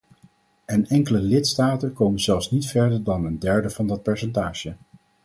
En enkele lidstaten komen zelfs niet verder dan een derde van dat percentage.